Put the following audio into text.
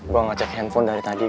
gue gak cek handphone dari tadi